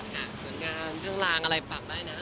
ส่วนงานดึงลางอะไรฝากได้นะ